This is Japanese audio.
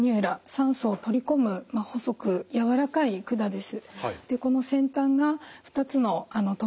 酸素を取り込む細くやわらかい管です。